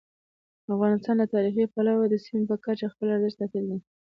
افغانستان له تاریخي پلوه د سیمې په کچه خپل ارزښت ساتلی دی.